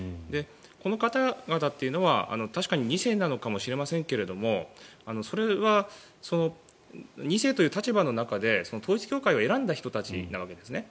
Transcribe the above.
この方々というのは確かに２世なのかもしれませんがそれは２世という立場の中で統一教会を選んだ人たちなんですね。